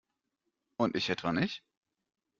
Und ich etwa nicht?